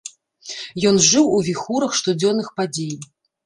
Ён жыў у віхурах штодзённых падзей.